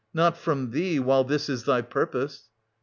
Not from thee, while this is thy purpose.